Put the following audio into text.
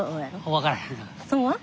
分からへん。